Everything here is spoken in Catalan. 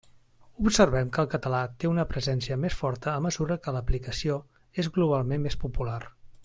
Observem que el català té una presència més forta a mesura que l'aplicació és globalment més popular.